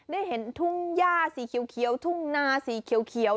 ได้เห็นทุ่งย่าสีเขียวทุ่งนาสีเขียว